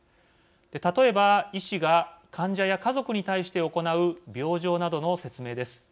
例えば、医師が患者や家族に対して行う病状などの説明です。